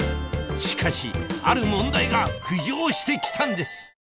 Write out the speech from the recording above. しかしある問題が浮上して来たんです